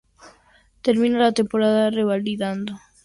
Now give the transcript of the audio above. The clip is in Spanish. Termina la temporada revalidando el título de Liga de España.